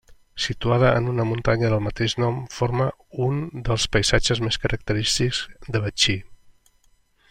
Situada en una muntanya del mateix nom, forma un dels paisatges més característics de Betxí.